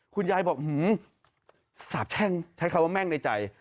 คุณยายบอกสาบแช่งใช้คำว่าแม่งในใจ